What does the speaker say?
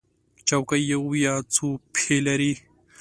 چوکۍ یو یا څو پښې لري.